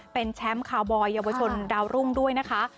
เป็นแชมป์คาวบอยเยาวชนดาวรุ่งด้วยนะคะ